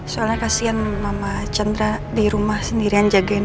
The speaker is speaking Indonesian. soalnya kasian mama chandra di rumah sendirian jagain